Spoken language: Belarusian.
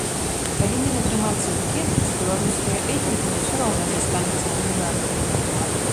Павінен атрымацца букет, дзе беларуская этніка ўсё роўна застанецца дамінантай.